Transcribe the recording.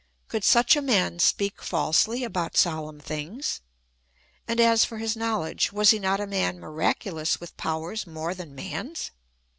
Could such a man speak falsely about solemn things ? And as for his knowledge, was he not a man miraculous with powers more than man's